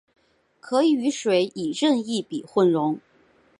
可以与水以任意比混溶。